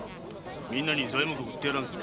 皆に材木を売ってやらんか。